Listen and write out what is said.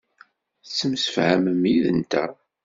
Tettemsefhamem yid-nteɣ.